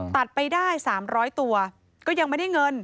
ตัดไปได้๓๐๐ตัวก็ยังไม่ได้เงิน